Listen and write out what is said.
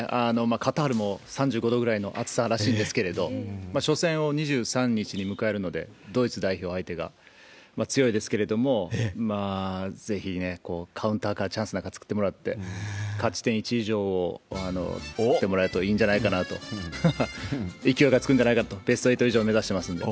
カタールも３５度ぐらいの暑さらしいですけれども、初戦を２３日に迎えるので、ドイツ代表、相手が、強いですけれども、ぜひね、カウンターからチャンスなんか作ってもらって、勝ち点１以上を取ってもらえるといいんじゃないかと、勢いがつくんじゃないかと、ベスト８以上目指してますんで。